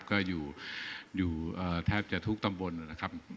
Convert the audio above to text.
ก็อยู่แทบจะทุกตำบลนะครับ